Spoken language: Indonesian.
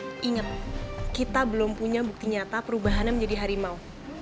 saya ingat kita belum punya bukti nyata perubahannya menjadi harimau